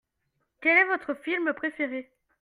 Quel est votre film préféré ?